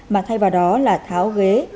mà thay vào đó là tháo ghế